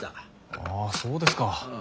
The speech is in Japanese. ああそうですか。